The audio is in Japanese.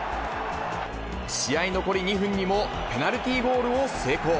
試合残り２分にもペナルティーゴールを成功。